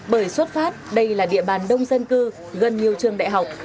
bởi xuất phát đây là địa bàn đông dân cư gần nhiều trường đại học